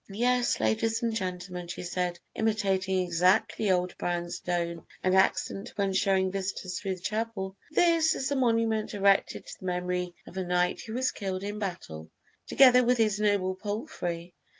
"Yes, ladies and gentlemen," she said, imitating exactly old Brown's tone and accent when showing visitors through the chapel, "this is a monument erected to the memory of a knight who was killed in battle, together with his noble palfrey.